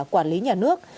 quản lý nhà nước